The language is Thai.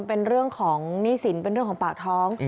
เป็นเรื่องของหนี้สินเป็นเรื่องของปากท้อง